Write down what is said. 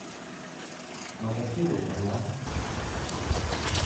Ma perché vuol parlare?